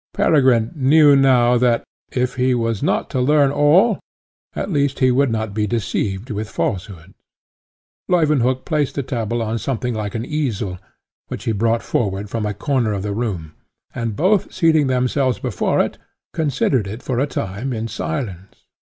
Peregrine knew now that, if he was not to learn all, at least he would not be deceived with falsehoods. Leuwenhock placed the tablet on something like an easel, which he brought forward from a corner of the room, and both seating themselves before it, considered it for a time in silence.